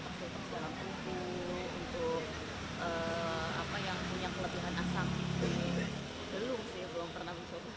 belum sih belum pernah mencoba